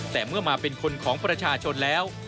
แต่เมื่อมาเป็นคนของประชาชนแล้ว